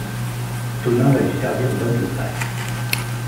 Tonin va lui servir d'homme de paille.